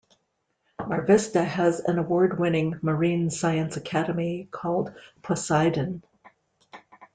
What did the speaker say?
Mar Vista has an award-winning Marine Science Academy called Poseidon.